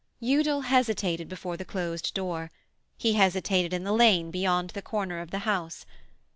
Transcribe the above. Udal hesitated before the closed door; he hesitated in the lane beyond the corner of the house.